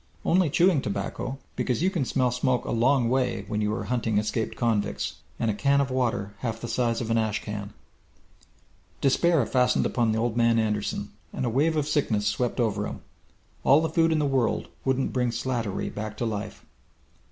Only chewing tobacco, because you can smell smoke a long way when you are hunting escaped convicts. And a can of water half the size of an ash can! Despair fastened upon Old Man Anderson, and a wave of sickness swept over him. All the food in the world wouldn't bring Slattery back to life.